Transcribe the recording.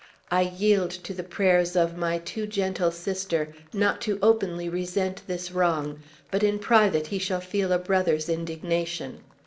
I yield to the prayers of my too gentle sister, not to openly resent this wrong, but in private he shall feel a brother's indignation.